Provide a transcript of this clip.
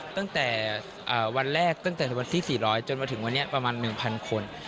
ตั้งแต่วันแรกตั้งแต่วันที่๔๐๐จนมาถึงวันนี้ประมาณ๑๐๐คน